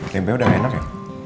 tempe udah enak ya